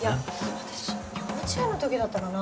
私幼稚園の時だったかな。